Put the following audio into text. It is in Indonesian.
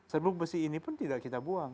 serbuk besi ini pun tidak kita buang